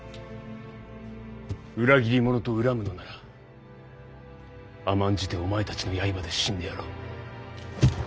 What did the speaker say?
裏切り者と怨むのなら甘んじてお前たちの刃で死んでやろう。